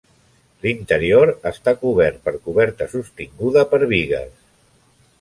L'interior està cobert per coberta sostinguda per bigues.